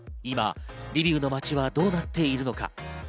今、リビウの街はどうなっているのか。